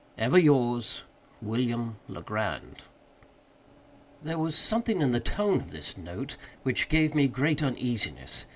"Ever yours, "WILLIAM LEGRAND". There was something in the tone of this note which gave me great uneasiness.